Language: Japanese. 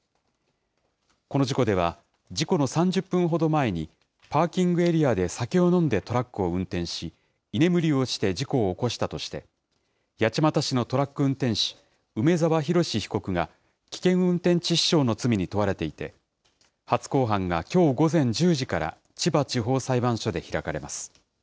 この事故では、事故の３０分ほど前に、パーキングエリアで酒を飲んでトラックを運転し、居眠りをして事故を起こしたとして、八街市のトラック運転手、梅澤洋被告が危険運転致死傷の罪に問われていて、初公判がきょう午前１０時から千葉地方裁判所で開かれます。